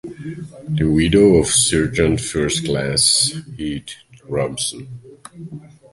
The widow of Sergeant First Class Heath Robinson.